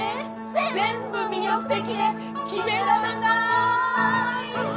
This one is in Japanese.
全部魅力的で決められない！